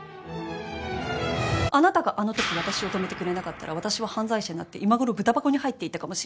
あなたがあのとき私を止めてくれなかったら私は犯罪者になって今頃ブタ箱に入っていたかもしれない。